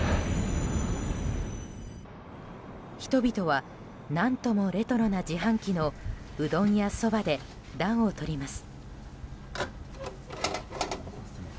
人々は何ともレトロな自販機のうどんやそばで暖をとります。